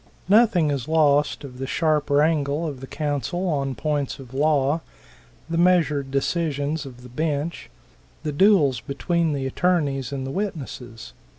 Nothing is lost of the sharp wrangle of the counsel on points of law, the measured decision's of the bench; the duels between the attorneys and the witnesses.